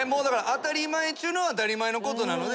当たり前中の当たり前のことなので。